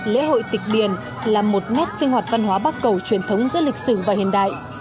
lễ hội tịch điền là một nét sinh hoạt văn hóa bắc cầu truyền thống giữa lịch sử và hiện đại